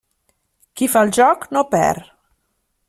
Qui fa el joc no perd.